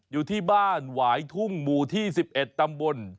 อยู่ที่บ้านหวายทุ่งหมู่ที่๑๑ตำบล